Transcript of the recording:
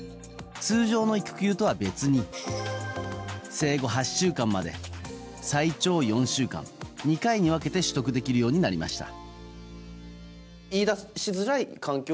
通常の育休とは別に生後８週間まで最長４週間、２回に分けて取得できるようになりました。